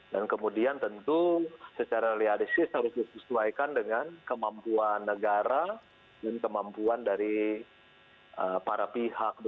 dan kemudian tentu secara realistis harus disesuaikan dengan kemampuan negara dan kemampuan dari para pihak begitu